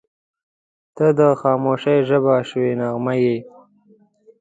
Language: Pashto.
• ته د خاموشۍ ژبه شوې نغمه یې.